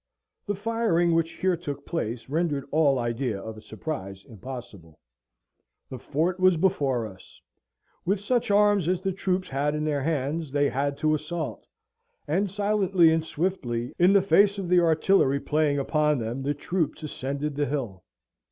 The firing which here took place rendered all idea of a surprise impossible. The fort was before us. With such arms as the troops had in their hands, they had to assault; and silently and swiftly, in the face of the artillery playing upon them, the troops ascended the hill.